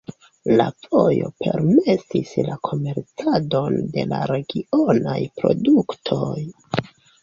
La vojo permesis la komercadon de la regionaj produktoj.